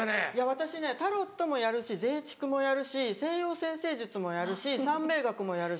私ねタロットもやるし筮竹もやるし西洋占星術もやるし算命学もやるし。